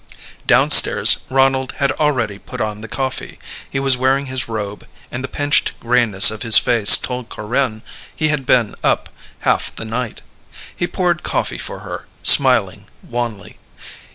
Downstairs Ronald had already put on the coffee. He was wearing his robe and the pinched greyness of his face told Corinne he had been up half the night. He poured coffee for her, smiling wanly.